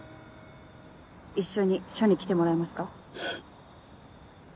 一緒に署に来てもらえますか？